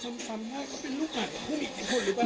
สำคัญมากเขาเป็นลูกปากเขามีอิทธิพนธ์หรือเปล่า